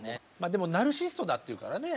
でもナルシストだっていうからね